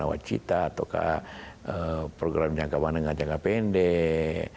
atau program jangka panjang jangka pendek